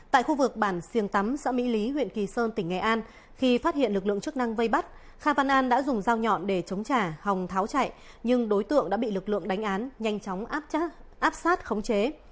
tại khu vực bản siêng tắm xã mỹ lý huyện kỳ sơn tỉnh nghệ an khi phát hiện lực lượng chức năng vây bắt kha văn an đã dùng dao nhọn để chống trả hòng tháo chạy nhưng đối tượng đã bị lực lượng đánh án nhanh chóng áp sát khống chế